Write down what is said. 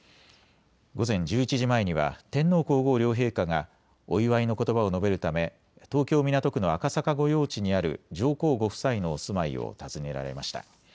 午前１１時前には天皇皇后両陛下がお祝いのことばを述べるため東京港区の赤坂御用地にある上皇ご夫妻のお住まいを訪ねられました。